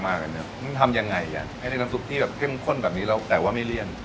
มึงทำยังไงอ่ะให้ได้น้ำซุปที่แบบเข้มข้นแบบนี้แล้วแต่ว่าไม่เลี่ยน